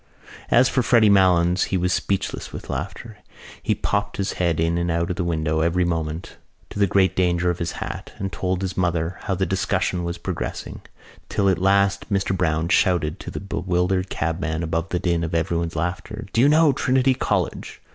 As for Freddy Malins he was speechless with laughter. He popped his head in and out of the window every moment to the great danger of his hat, and told his mother how the discussion was progressing, till at last Mr Browne shouted to the bewildered cabman above the din of everybody's laughter: "Do you know Trinity College?"